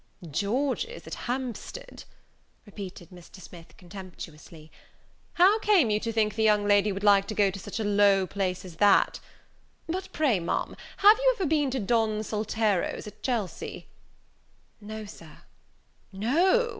"George's at Hampstead!" repeated Mr. Smith contemptuously; "how came you to think the young lady would like to go to such a low place as that! But, pray, Ma'am, have you ever been to Don Saltero's at Chelsea?" "No, Sir." "No!